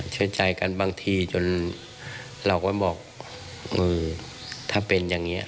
ช่วยใจกันบางทีจนเราก็บอกเออถ้าเป็นอย่างนี้